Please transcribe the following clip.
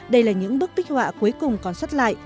đây là những bức bích họa cuối cùng còn xuất lại